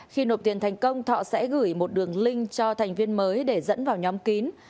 khi nộp tiền thành công thọ sẽ gửi một đường link cho thành viên mới để dẫn vào nhóm kín